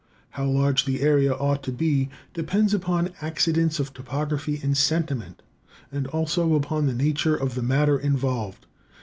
How large the area ought to be, depends upon accidents of topography and sentiment, and also upon the nature of the matter involved.